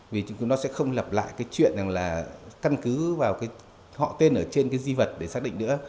vì nó sẽ không lập lại cái chuyện là căn cứ vào họ tên ở trên cái di vật để xác định nữa